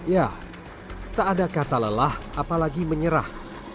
ya tak ada kata lelah apalagi menyerah